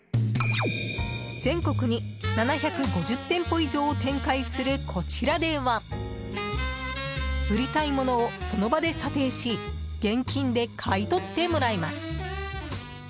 全国に７５０店舗以上を展開するこちらでは売りたい物をその場で査定し現金で買い取ってもらえます。